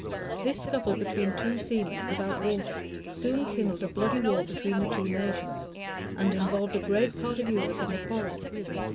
[] This scuffle between two seamen about water, soon kindled a bloody war between the two nations, and involved a great part of Europe in the quarrel.